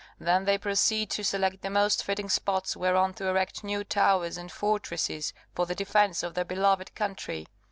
Then they proceed to select the most fitting spots whereon to erect new towers and fortresses for the defence of their beloved country.